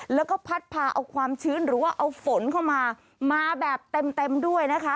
แล้วก็พัดพาเอาความชื้นหรือว่าเอาฝนเข้ามามาแบบเต็มด้วยนะคะ